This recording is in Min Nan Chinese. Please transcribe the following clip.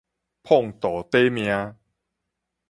膨肚短命